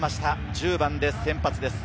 １０番で先発です。